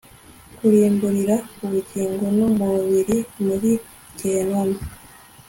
kurimburira ubugingo n umubiri muri Gehinomu